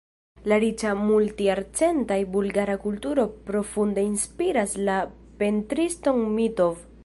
La riĉa multjarcenta bulgara kulturo profunde inspiras la pentriston Mitov.